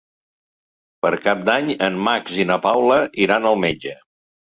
Per Cap d'Any en Max i na Paula iran al metge.